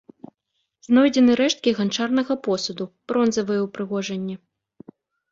Знойдзены рэшткі ганчарнага посуду, бронзавыя ўпрыгожанні.